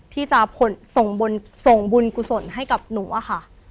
ที่จะส่งบุญกุศลให้กับหนูอะค่ะ